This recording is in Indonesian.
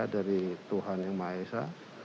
dari tuhan yang maha esa